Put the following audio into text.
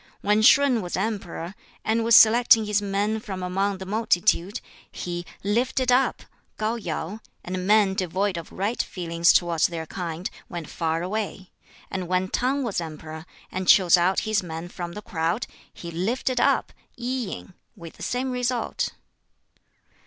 "When Shun was emperor, and was selecting his men from among the multitude, he 'lifted up' KŠu yŠu; and men devoid of right feelings towards their kind went far away. And when T'ang was emperor, and chose out his men from the crowd, he 'lifted up' I yin with the same result."